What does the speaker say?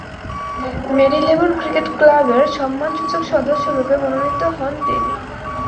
Marylebone cricket ক্লাবের সম্মানসূচক সদস্যরূপে মনোনীত হন তিনি।